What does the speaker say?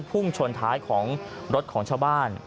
พุ่งชนท้ายของรถของชาวบ้าน